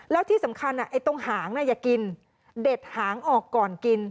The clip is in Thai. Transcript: แล้วที่สำคัญตรงหางอย่ากินเด็ดหางออกก่อนกิน